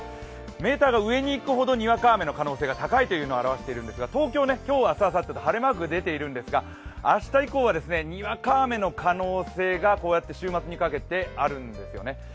メーターが上に行くほどにわか雨の可能性が高いことを示しているんですが東京は今日、明日、あさってとにわか雨が出ているんですが明日以降はにわか雨の可能性が週末にかけてあるんですよね。